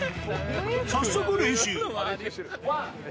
早速練習。